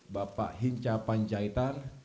bapak hinca panjaitan